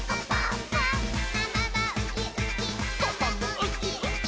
「ママはウキウキ」「パパもウキウキ」